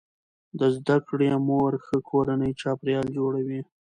د زده کړې مور ښه کورنی چاپیریال جوړوي.